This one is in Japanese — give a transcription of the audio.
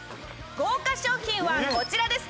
豪華商品はこちらです。